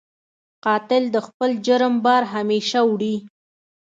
قاتل د خپل جرم بار همېشه وړي